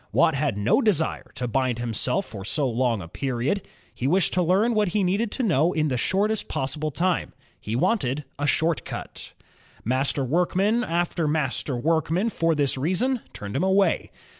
Watt had no desire to bind himself for so long a period. He wished to learn what he needed to know in the shortest possible time; he wanted a "short cut.'' Master workman after master workman for this reason turned him away.